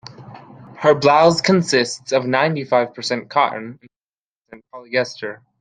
Her blouse consists of ninety-five percent cotton and five percent polyester.